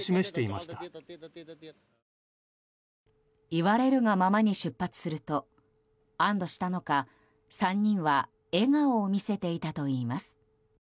言われるがままに出発すると安堵したのか３人は笑顔を見せていたといいます。